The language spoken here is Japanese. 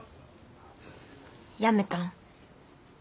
やめたん？